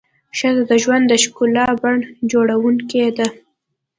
ښځه د ژوند د ښکلا بڼ جوړونکې ده.